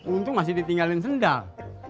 untung masih ditinggalin sendal